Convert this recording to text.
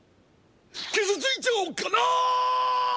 傷ついちゃおっかな！